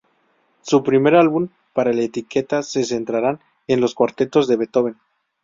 Su primer álbum para la etiqueta se centrará en los cuartetos de Beethoven.